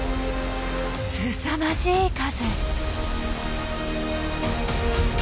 すさまじい数。